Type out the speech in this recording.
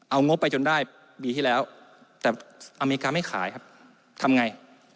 เอางบไปจนได้ปีที่แล้วแต่อเมริกาไม่ขายครับทำไง